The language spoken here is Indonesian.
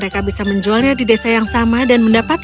mengapa kalian tidak membagi kota ini menjadi dua